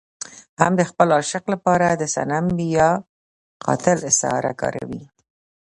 هم د خپل عاشق لپاره د صنم يا قاتل استعاره کاروي.